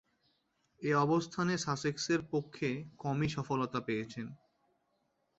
এ অবস্থানে সাসেক্সের পক্ষে কমই সফলতা পেয়েছেন।